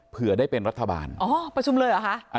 เผื่อได้เป็นรัฐบาลอ๋อประชุมเลยเหรอคะ